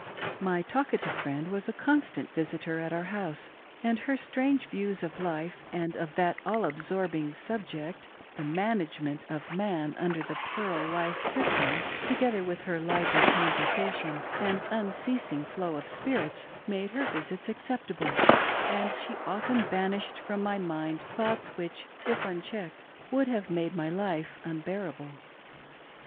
My talkative friend was a constant visitor at our house ; and her strange views of life and of that all absorbing subject — the management of man under the plural wife system — together with her lively conversation and unceasing flow of spirits, made her visits acceptable ; and she often banished from my mind thoughts which, if unchecked, would have made "TWO FACES I LONGED TO SEE. 379 my life unbearable.